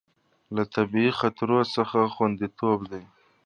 له طبیعي خطرونو څخه خوندیتوب ده.